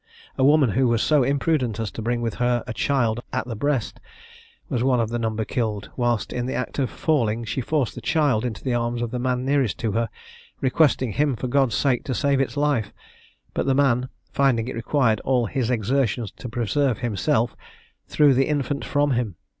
A woman, who was so imprudent as to bring with her a child at the breast, was one of the number killed: whilst in the act of falling, she forced the child into the arms of the man nearest to her, requesting him, for God's sake, to save its life; but the man, finding it required all his exertions to preserve himself, threw the infant from him.